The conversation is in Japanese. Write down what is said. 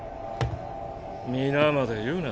皆まで言うな。